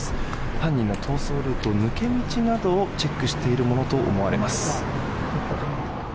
犯人の逃走ルート、抜け道などをチェックしているものと思われます。